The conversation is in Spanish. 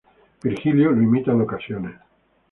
Virgilio lo imita en ocasiones.